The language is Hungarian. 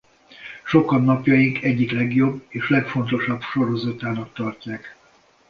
Sokan napjaink egyik legjobb és legfontosabb sorozatának tartják.